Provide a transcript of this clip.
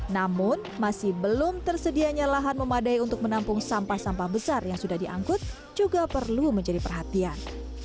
namun masih belum tersedianya lahan memadai untuk menampung sampah sampah besar yang sudah diangkut juga perlu menjadi perhatian